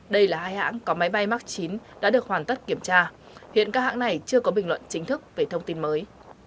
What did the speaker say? đây là hai hãng có máy bay mark chín đã được hoàn tất kiểm tra hiện các hãng này chưa có bình luận chính thức về thông tin mới